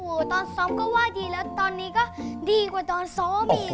โอ้โหตอนซ้อมก็ว่าดีแล้วตอนนี้ก็ดีกว่าตอนซ้อมอีก